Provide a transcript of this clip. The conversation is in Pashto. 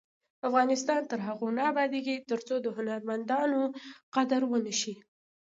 افغانستان تر هغو نه ابادیږي، ترڅو د هنرمندانو قدر ونشي.